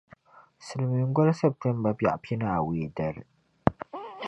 Silimiingoli September bɛɣu pinaawei dali.